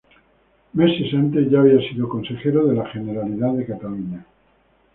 Meses antes ya había sido consejero de la Generalidad de Cataluña.